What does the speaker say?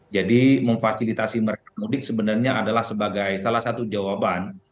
jadi memfasilitasi mereka mudik sebenarnya adalah sebagai salah satu jawaban